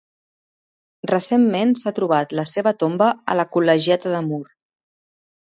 Recentment s'ha trobat la seva tomba a la Col·legiata de Mur.